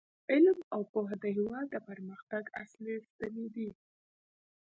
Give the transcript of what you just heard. علم او پوهه د هیواد د پرمختګ اصلي ستنې دي.